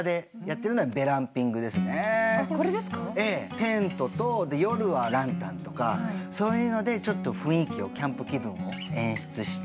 テントと夜はランタンとかそういうのでちょっと雰囲気をキャンプ気分を演出して。